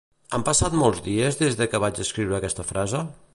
Han passat molts dies des de que vaig escriure aquesta frase?